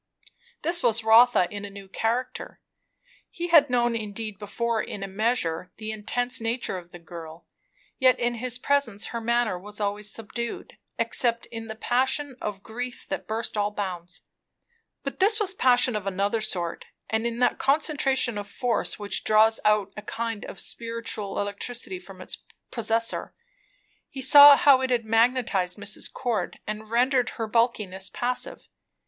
This was Rotha in a new character. He had known indeed before, in a measure, the intense nature of the girl; yet in his presence her manner was always subdued, except in the passion of grief that burst all bounds. But this was passion of another sort, and in that concentration of force which draws out a kind of spiritual electricity from its possessor. He saw how it had magnetized Mrs. Cord, and rendered her bulkiness passive.